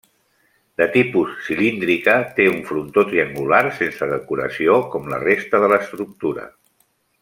De tipus cilíndrica, té un frontó triangular sense decoració, com la resta de l'estructura.